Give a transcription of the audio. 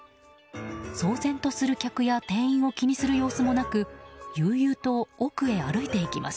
騒然とする客や店員を気にする様子もなく悠々と奥へ歩いていきます。